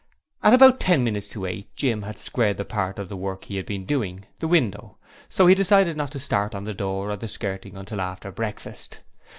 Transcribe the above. At about ten minutes to eight, Jim had squared the part of the work he had been doing the window so he decided not to start on the door or the skirting until after breakfast.